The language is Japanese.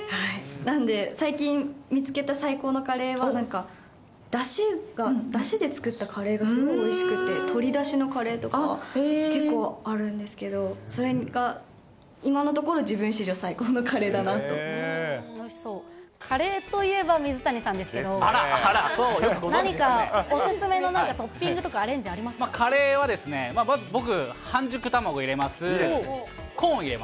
なんで、最近見つけた最高のカレーは、なんか、だしが、だしで作ったカレーがすごいおいしくて、鶏だしのカレーとか、結構あるんですけれども、それが今のところ、カレーといえば、水谷さんであら、あら、そう、何かお勧めの、何かトッピンカレーはまず僕、半熟卵入れコーン？